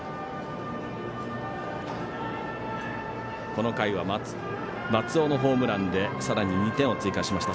この回は松尾のホームランでさらに２点を追加しました。